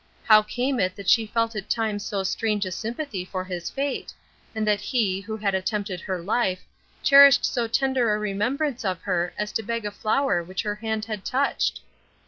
How came it that she felt at times so strange a sympathy for his fate, and that he who had attempted her life cherished so tender a remembrance of her as to beg for a flower which her hand had touched?